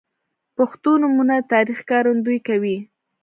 • پښتو نومونه د تاریخ ښکارندویي کوي.